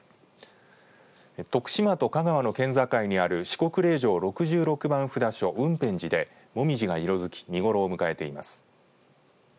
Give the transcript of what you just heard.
徳島と香川の県境にある四国霊場６６番札所、雲辺寺で紅葉が色づき見頃を迎えています。